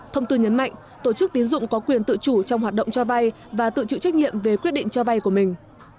thông tư nhấn mạnh tổ chức tín dụng có quyền tự chủ trong hoạt động cho vay và tự chịu trách nhiệm về quyết định cho vay của mình